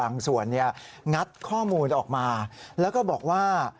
ส่วนงัดข้อมูลออกมาแล้วก็บอกว่า